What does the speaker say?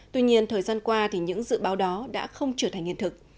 tuy nhiên thời gian qua thì những dự báo đó đã không trở thành hiện thực